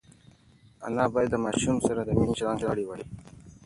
انا باید له ماشوم سره د مینې چلند کړی وای.